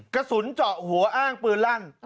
กระสุนเจาะหัวอ้างปืนลั่น